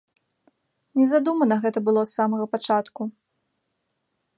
Не задумана гэта было з самага пачатку!